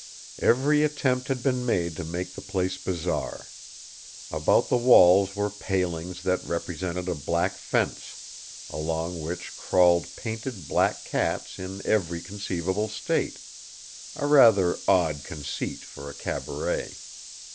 Every attempt had been made to make the place bizarre. About the walls were palings that represented a back fence, along which crawled painted black cats in every conceivable state a rather odd conceit for a cabaret.